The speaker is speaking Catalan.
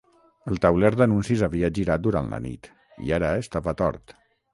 El tauler d'anuncis havia girat durant la nit i ara estava tort.